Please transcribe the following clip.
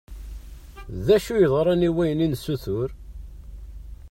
D acu yeḍran i wayen i nessuter?